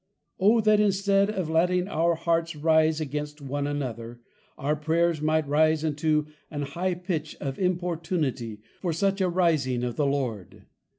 _ O that instead of letting our Hearts Rise against one another, our Prayers might Rise unto an high pitch of Importunity, for such a Rising of the Lord!